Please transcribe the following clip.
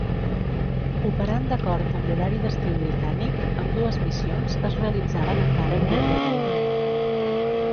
Operant d'acord amb l'horari d'estiu britànic, ambdues missions es realitzaren encara amb llum de dia.